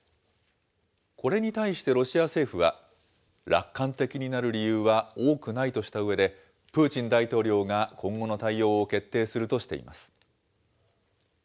これに対してロシア政府は、楽観的になる理由は多くないとしたうえで、プーチン大統領が今後の対応を決定するとしています。